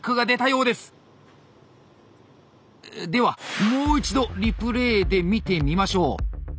ではもう一度リプレーで見てみましょう。